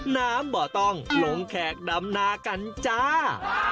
บ่อต้องลงแขกดำนากันจ้า